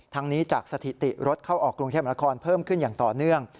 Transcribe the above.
นี้จากสถิติรถเข้าออกกรุงเทพมนาคมเพิ่มขึ้นอย่างต่อเนื่อง